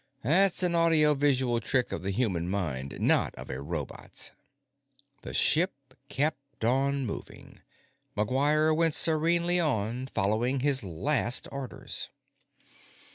"That's an audio visual trick of the human mind, not of a robot's." The ship kept on moving. McGuire went serenely on, following his last orders.